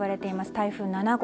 台風７号。